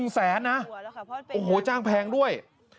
แสนนะโอ้โหจ้างแพงด้วย